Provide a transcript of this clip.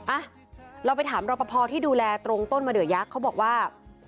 อ่ะเราไปถามรอปภที่ดูแลตรงต้นมะเดือยักษ์เขาบอกว่า